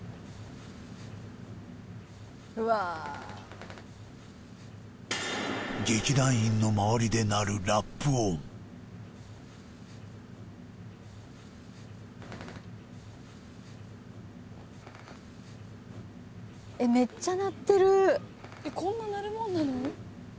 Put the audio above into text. うわ劇団員のまわりで鳴るめっちゃ鳴ってる・こんな鳴るもんなの？